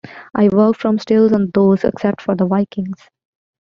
I worked from stills on those, except for "The Vikings".